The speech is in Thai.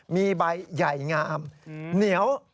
มีใบใหญ่งามเหนียว